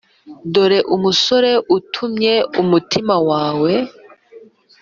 dore umusore utumye umutima wawe